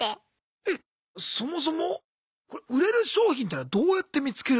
えっそもそも売れる商品ってのはどうやって見つける？